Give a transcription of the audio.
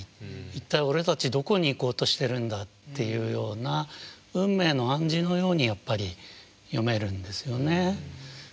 一体俺たちどこに行こうとしてるんだっていうような運命の暗示のようにやっぱり読めるんですよね。